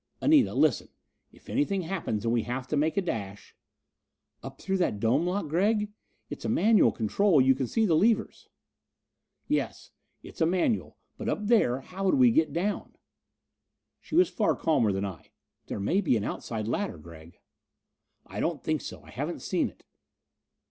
"Anita, listen: if anything happens and we have to make a dash " "Up through that dome lock, Gregg? It's a manual control; you can see the levers." "Yes. It's a manual. But up there how would we get down?" She was far calmer than I. "There may be an outside ladder, Gregg." "I don't think so. I haven't seen it."